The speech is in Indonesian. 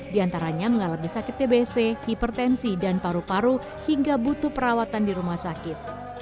di antaranya mengalami sakit tbc hipertensi dan paru paru hingga butuh perawatan di rumah sakit